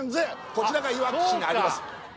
こちらがいわき市にあります